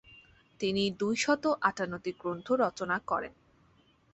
তিনি দুই শত আটান্নটি গ্রন্থ রচনা করেন।